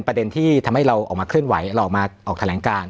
ประเด็นที่ทำให้เราออกมาเคลื่อนไหวเราออกมาออกแถลงการ